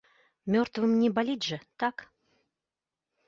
Мёртвым не баліць жа, так?